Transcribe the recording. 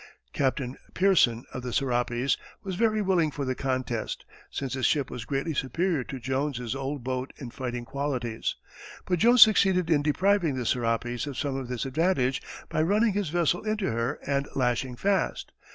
Captain Pearson, of the Serapis, was very willing for the contest, since his ship was greatly superior to Jones's old boat in fighting qualities; but Jones succeeded in depriving the Serapis of some of this advantage by running his vessel into her and lashing fast.